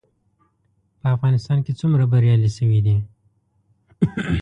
په افغانستان کې څومره بریالي شوي دي؟